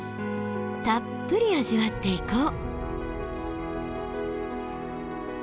たっぷり味わっていこう！